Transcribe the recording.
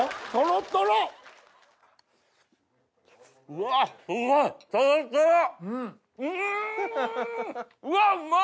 うわうまっ！